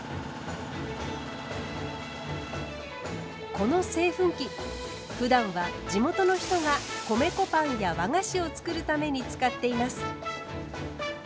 この製粉機ふだんは地元の人が米粉パンや和菓子を作るために使っています。